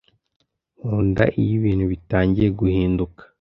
Nkunda iyo ibintu bitangiye guhinduka